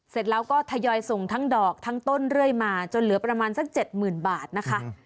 เสร็จแล้วก็ทยอยส่งทั้งดอกทั้งต้นเรื่อยมาจนเหลือประมาณสัก๗๐๐๐บาทนะคะ